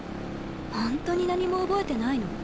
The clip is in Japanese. ほんとに何も覚えてないの？